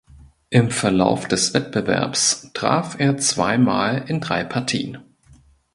Im Verlauf des Wettbewerbs traf er zweimal in drei Partien.